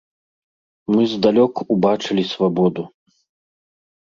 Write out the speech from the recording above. Мы здалёк убачылі свабоду.